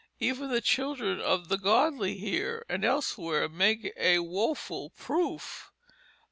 Even the children of the godly here, and elsewhere make a woful proof."